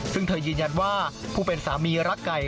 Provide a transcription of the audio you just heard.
ซึ่งเธอยืนยันว่าผู้เป็นสามีรักไก่